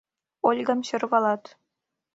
— Ольгам сӧрвалат.